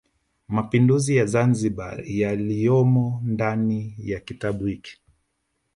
Mapinduzi ya Zanzibar waliyomo ndani ya kitabu hiki